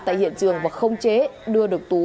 tại hiện trường và không chế đưa được tú